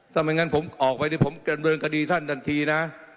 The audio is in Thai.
ถ้าไม่งั้นผมออกไปที่ผมกำเนินกดีท่านทันทีนะ